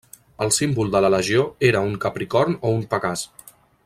El símbol de la legió era un capricorn o un pegàs.